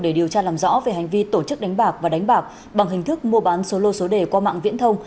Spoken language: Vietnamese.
để điều tra làm rõ về hành vi tổ chức đánh bạc và đánh bạc bằng hình thức mua bán số lô số đề qua mạng viễn thông